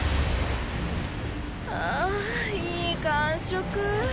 あぁいい感触。